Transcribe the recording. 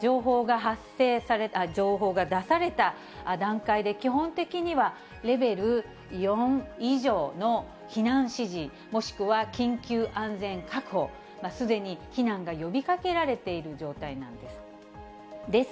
情報が出された段階で基本的にはレベル４以上の避難指示、もしくは緊急安全確保、すでに避難が呼びかけられている状態なんです。